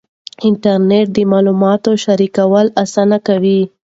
انټرنېټ د معلوماتو شریکول اسانه کوي.